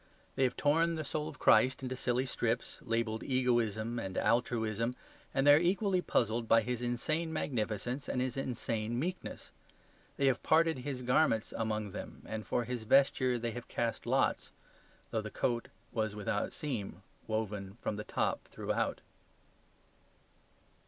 They have torn the soul of Christ into silly strips, labelled egoism and altruism, and they are equally puzzled by His insane magnificence and His insane meekness. They have parted His garments among them, and for His vesture they have cast lots; though the coat was without seam woven from the top throughout.